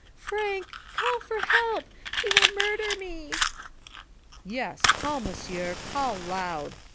Frank, call for help, he will murder me! " "Yes — call, monsieur, call loud.